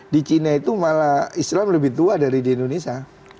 di china itu malah islam lebih tua dari di indonesia